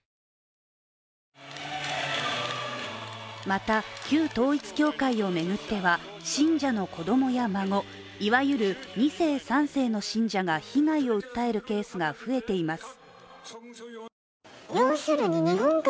また、旧統一教会を巡っては信者の子供や孫、いわゆる２世３世の信者が被害を訴えるケースが増えています。